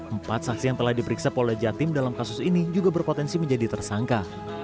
empat saksi yang telah diperiksa polda jatim dalam kasus ini juga berpotensi menjadi tersangka